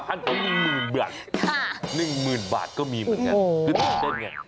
๑๐๐๐๐บาทก็มีเหมือนกันคือต้นเต้นไง